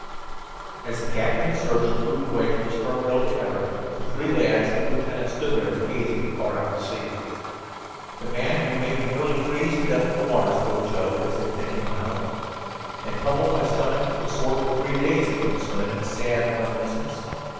As the captain and surgeon moved away from the stern rail of the Everett, the three lads and the lieutenant still stood there, gazing far out to sea. "The man who made me nearly freeze to death in the water," spoke Joe, as though thinking aloud. "And pummeled my stomach until it was sore for three days," echoed Slim, in sad reminiscence.